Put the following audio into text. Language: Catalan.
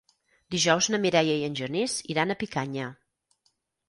Dijous na Mireia i en Genís iran a Picanya.